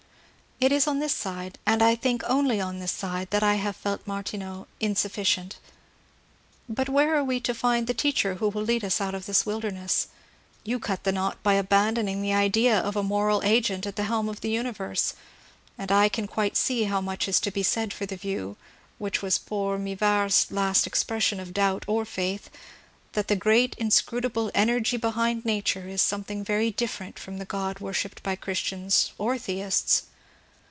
It is on this side, — and I think only on this side, — that I have felt Martineau insufficient. But where are we to find the teacher who will lead us out of this wilderness ? You cut the knot by abandoning the idea of a moral agent at the helm of the Universe ; and I can quite see how much is to be said for the view (which was poor Mivart's last expression of doubt or faith), that the great inscrutable Energy behind Nature is some thing very different from the God worshipped by Christians — or theists.